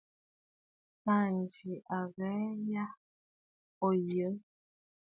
Ka ŋyi aghɔ̀ɔ̀ yâ, òo yə̂.